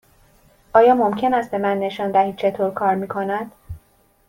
آیا ممکن است به من نشان دهید چطور کار می کند؟